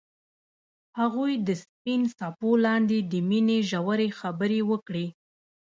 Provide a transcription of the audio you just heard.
هغوی د سپین څپو لاندې د مینې ژورې خبرې وکړې.